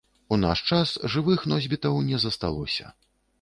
У наш час жывых носьбітаў не засталося.